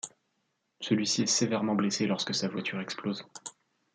Celui-ci est sévèrement blessé lorsque sa voiture explose.